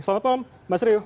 selamat malam mas rio